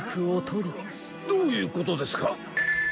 どういうことですか！？